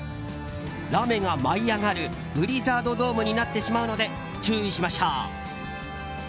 ラメが舞い上がるブリザードドームになってしまうので注意しましょう。